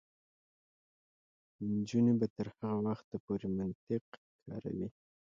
نجونې به تر هغه وخته پورې منطق کاروي.